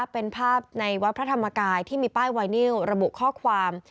เป็นภาพในวัดพระธรรมกายที่มีป้ายไวนิวระบุข้อความ